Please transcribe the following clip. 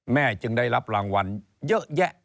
จึงได้รับรางวัลเยอะแยะ